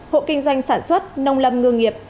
hộ kinh doanh sản xuất nông lầm ngương nghiệp